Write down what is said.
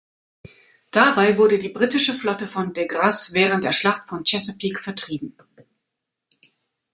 Dabei wurde die britische Flotte von De Grasse während der Schlacht von Chesapeake vertrieben.